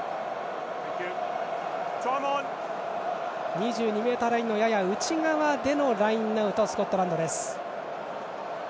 ２２ｍラインのやや内側でのラインアウト、スコットランド。